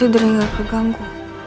tidurin gak keganggu